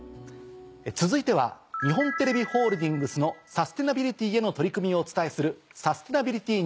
続いては日本テレビホールディングスのサステナビリティへの取り組みをお伝えする。